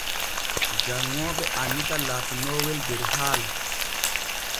Janŋooɓe annita laatinoowel der haala.